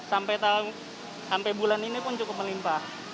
sampai bulan ini pun cukup melimpah